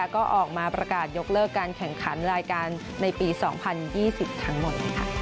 ก็ออกมาประกาศยกเลิกการแข่งขันรายการในปี๒๐๒๐ทั้งหมด